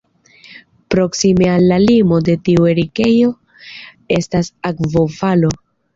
Proksime al la limo de tiu erikejo estas akvofalo.